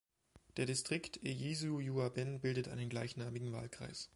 Der Distrikt Ejisu-Juaben bildet einen gleichnamigen Wahlkreis.